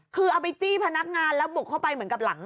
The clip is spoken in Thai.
คือเอาไปจี้พนักงานแล้วบุกเข้าไปเหมือนกับหลัง